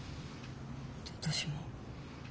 私も。